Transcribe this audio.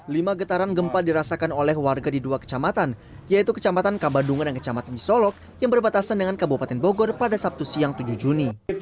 lima getaran gempa dirasakan oleh warga di dua kecamatan yaitu kecamatan kabadungan dan kecamatan di solok yang berbatasan dengan kabupaten bogor pada sabtu siang tujuh juni